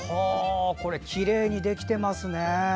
きれいにできてますね。